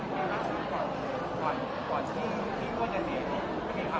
คือคิดว่าการมาโรงพิบันที่ครั้งนี้